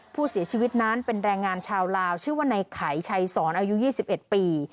ผู้เสียชีวิตนั้นเป็นแรงงานชาวลาวชื่อว่าในไขชัยสอนอายุ๒๑ปี